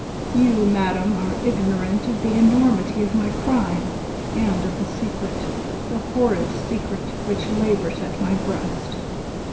'You, madam, are ignorant of the enormity of my crime, and of the secret the horrid secret which labours at my breast.